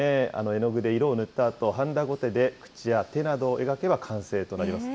絵の具で色を塗ったあと、はんだごてで口や手などを描けば完成となります。